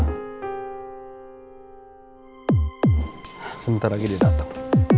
sebentar lagi dia dateng